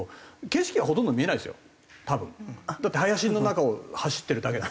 だって林の中を走ってるだけだから。